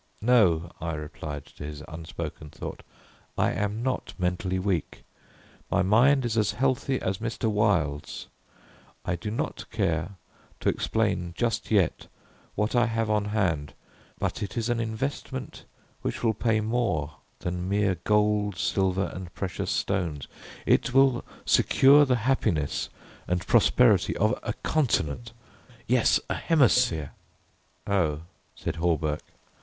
"No," I replied to his unspoken thought, "I am not mentally weak; my mind is as healthy as Mr. Wilde's. I do not care to explain just yet what I have on hand, but it is an investment which will pay more than mere gold, silver and precious stones. It will secure the happiness and prosperity of a continent yes, a hemisphere!" "Oh," said Hawberk.